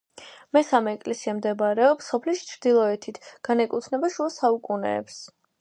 მესამე ეკლესია მდებარეობს სოფლის ჩრდილოეთით, განეკუთვნება შუა საუკუნეებს.